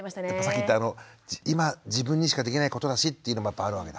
さっき言った今自分にしかできないことだしっていうのもやっぱあるわけだ。